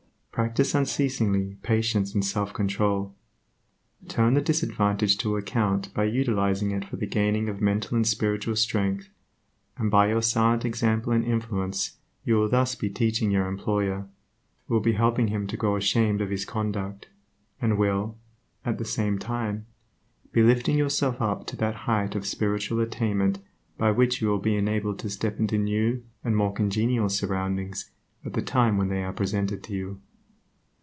Practice unceasingly patience and self control. Turn the disadvantage to account by utilizing it for the gaining of mental and spiritual strength, and by your silent example and influence you will thus be teaching your employer, will be helping him to grow ashamed of his conduct, and will, at the same time, be lifting yourself up to that height of spiritual attainment by which you will be enabled to step into new and more congenial surroundings at the time when they are presented to you.